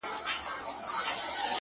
• هغه ښکلي الفاظ او کلمات چي ,